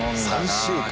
３週間。